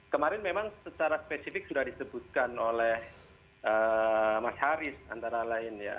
kemarin memang secara spesifik sudah disebutkan oleh mas haris antara lain ya